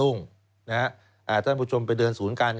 สวัสดีครับคุณผู้ชมค่ะต้อนรับเข้าที่วิทยาลัยศาสตร์